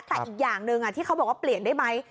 แต่อีกอย่างหนึ่งที่เขาบอกว่าเปลี่ยนได้ไหม